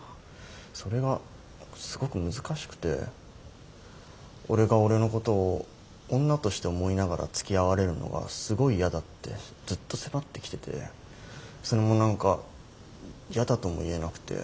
それがすごく難しくて俺が俺のことを女として思いながらつきあわれるのがすごい嫌だってずっと迫ってきててそれも何か嫌だとも言えなくて。